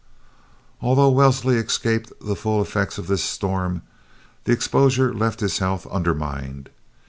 Although Wellesley escaped the full effects of this storm, the exposure left his health undermined.